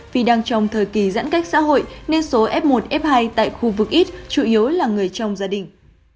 vì đang trong thời kỳ giãn cách xã hội nên số f một f hai tại khu vực ít chủ yếu là người trong gia đình